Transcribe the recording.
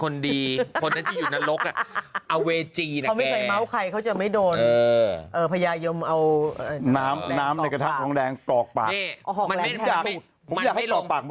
นี่นะพี่ปากมันเห็นไหมแหละ